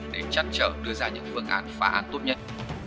để chăn trở đưa ra những phương án phá án tốt nhất